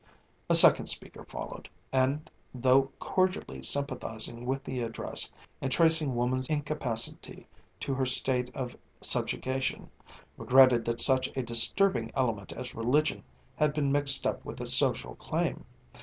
A second speaker followed, and, though cordially sympathizing with the address, and tracing woman's incapacity to her state of subjugation, regretted that such a disturbing element as religion had been mixed up with a social claim.